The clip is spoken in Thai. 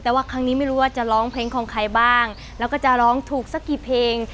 แต่ว่าครั้งนี้ไม่รู้ว่าจะร้องเพลงของใครบ้างแล้วก็จะร้องถูกสักกี่เพลง